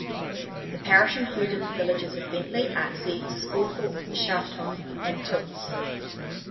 The parish included the villages of Bentley, Arksey, Scawthorpe, Shaftholme and Tilts.